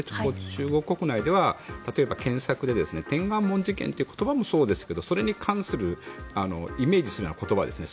中国国内では例えば検索で天安門事件という言葉もそうですけどそれに関するイメージするような言葉ですね。